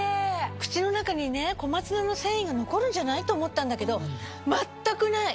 口の中に小松菜の繊維が残るんじゃない？と思ったんだけど全くない。